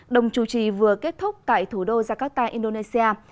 đồng chủ trì vừa kết thúc tại thủ đô jakarta indonesia